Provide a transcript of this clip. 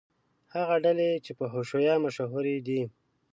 هغه ډلې چې په حشویه مشهورې دي.